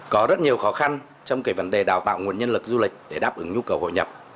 có rất nhiều khó khăn trong cái vấn đề đào tạo nguồn nhân lực du lịch để đáp ứng nhu cầu hội nhập